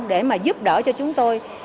để mà giúp đỡ cho chúng tôi